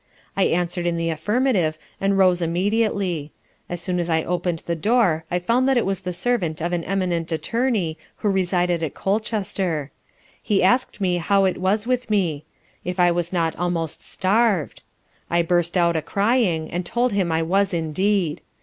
I answer'd in the affirmative, and rose immediately; as soon as I open'd the door I found it was the servant of an eminent Attorney who resided at Colchester. He ask'd me how it was with me? if I was not almost starv'd? I burst out a crying, and told him I was indeed.